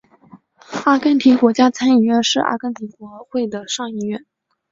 阿根廷国家参议院是阿根廷国会的上议院。